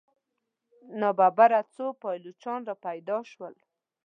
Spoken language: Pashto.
ناببره څو پایلوچان را پیدا شول.